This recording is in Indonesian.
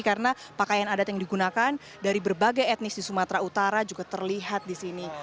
karena pakaian adat yang digunakan dari berbagai etnis di sumatera utara juga terlihat di sini